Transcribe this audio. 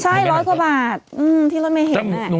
ใช่๑๐๐กว่าบาทที่เราไม่เห็น